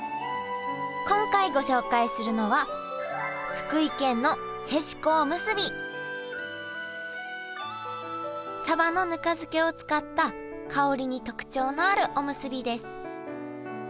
今回ご紹介するのはサバのぬか漬けを使った香りに特徴のあるおむすびです。